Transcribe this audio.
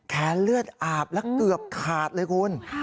เลือดอาบและเกือบขาดเลยคุณ